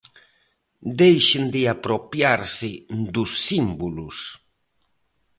Deixen de apropiarse dos símbolos.